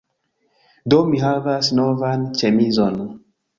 Do, mi havas novan ĉemizon